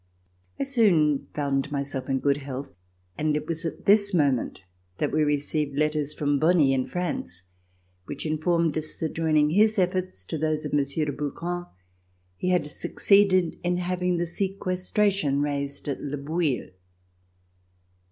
I soon found myself in good health, and it was at this moment that we received letters from Bonie in France which informed us that, joining his efforts to those of Monsieur de Brouquens, he had succeeded in having the sequestration raised at Le Bouilh.